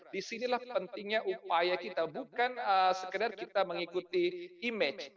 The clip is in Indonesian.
disinilah pentingnya upaya kita bukan sekedar kita mengikuti image